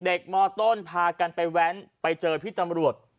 มต้นพากันไปแว้นไปเจอพี่ตำรวจ